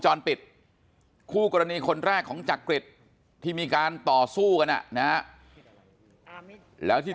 จรปิดคู่กรณีคนแรกของจักริตที่มีการต่อสู้กันอ่ะนะแล้วที่